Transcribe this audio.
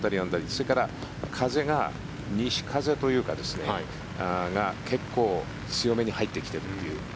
それから風が、西風というか結構強めに入ってきてるという。